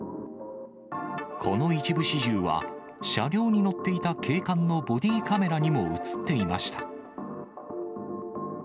この一部始終は、車両に乗っていた警官のボディカメラにも写っていました。